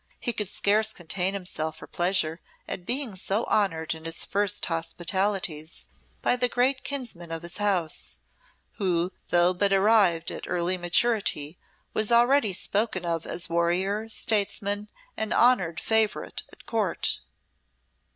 He could scarce contain himself for pleasure at being so honoured in his first hospitalities by the great kinsman of his house, who, though but arrived at early maturity, was already spoken of as warrior, statesman, and honoured favourite at Court.